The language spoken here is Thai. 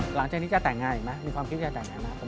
หลังจากนี้จะแต่งงานอีกไหมมีความคิดจะแต่งงานไหม